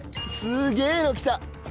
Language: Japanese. すげえの来た！